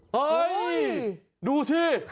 เฮ้ยดูที่